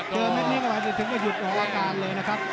เม็ดนี้ก็หมายถึงว่าหยุดออกอาการเลยนะครับ